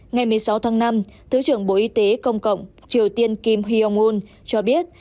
ngày một mươi sáu tháng năm thứ trưởng bộ y tế công cộng triều tiên kim hyong un cho biết